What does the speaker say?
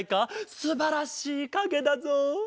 すばらしいかげだぞ。